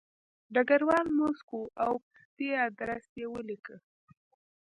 ډګروال موسک و او خپل پستي ادرس یې ولیکه